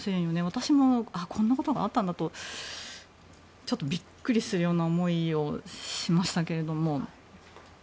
私も、こんなことがあったんだとちょっとビックリするような思いをしましたけれども。